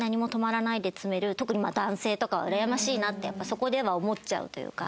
そこでは思っちゃうというか。